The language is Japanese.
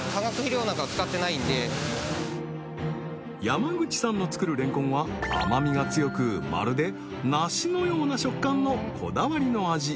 山口さんの作るレンコンは甘みが強くまるで梨のような食感のこだわりの味